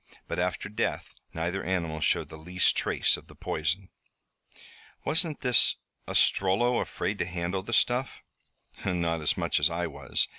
But after death neither animal showed the least trace of the poison." "Wasn't this Ostrello afraid to handle the stuff?" "Not as much as I was.